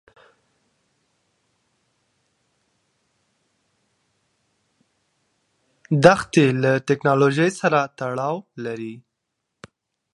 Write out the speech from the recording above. دښتې له تکنالوژۍ سره تړاو لري.